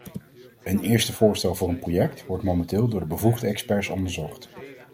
Een eerste voorstel voor een project wordt momenteel door de bevoegde experts onderzocht.